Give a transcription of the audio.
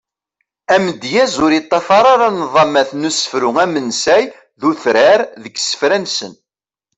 Amedyaz ur yeṭṭafar ara nḍamat n usefru amensay d utrar deg isefra-nsen.